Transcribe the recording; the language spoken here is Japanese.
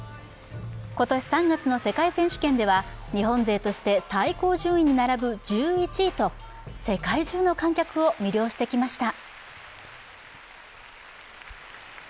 今年３月の世界選手権では日本勢として最高順位に並ぶ１１位と世界中の観客を魅了してきました。